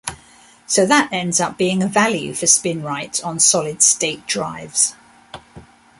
So that ends up being a value for SpinRite on solid-state drives.